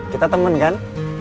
kita temen kan